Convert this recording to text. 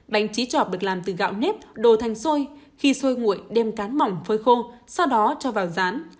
bánh chí trọc được làm từ gạo nếp đồ thành xôi khi sôi nguội đem cán mỏng phơi khô sau đó cho vào rán